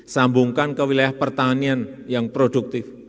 sambungkan ke wilayah pertanian yang produktif